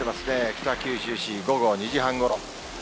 北九州市、午後２時半ごろ。